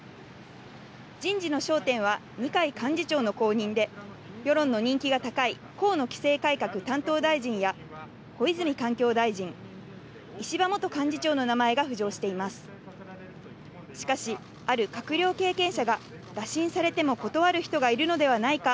人事の焦点は、二階幹事長の後任で世論の人気が高い、河野規制改革担当大臣や小泉環境大臣、石破元幹事長の名前が浮上しています。